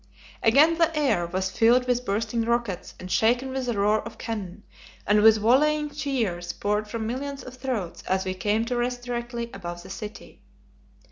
Again the air was filled with bursting rockets and shaken with the roar of cannon, and with volleying cheers, poured from millions of throats, as we came to rest directly above the city.